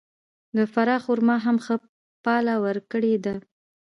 د فراه خرما هم ښه پایله ورکړې ده.